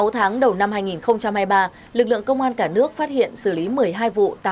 sáu tháng đầu năm hai nghìn hai mươi ba lực lượng công an cả nước phát hiện xử lý một mươi hai vụ